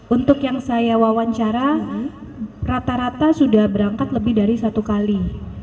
untuk yang saya wawancara rata rata sudah berangkat lebih dari satu kali